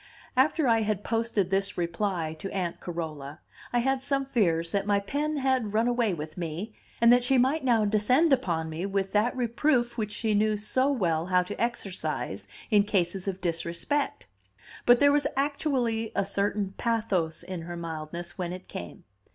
After I had posted this reply to Aunt Carola, I had some fears that my pen had run away with me, and that she might now descend upon me with that reproof which she knew so well how to exercise in cases of disrespect. But there was actually a certain pathos in her mildness when it came.